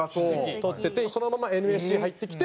とっててそのままＮＳＣ入ってきて。